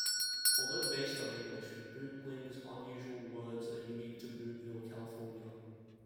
Although based on English, Boontling's unusual words are unique to Boonville, California.